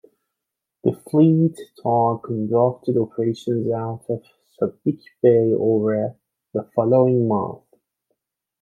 The fleet tug conducted operations out of Subic Bay over the following month.